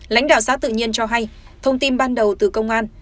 lãnh đạo xã tự nhiên cho hay thông tin ban đầu từ công an